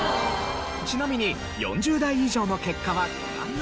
ちなみに４０代以上の結果はご覧のとおり。